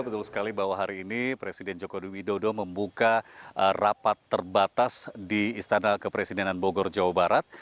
betul sekali bahwa hari ini presiden joko widodo membuka rapat terbatas di istana kepresidenan bogor jawa barat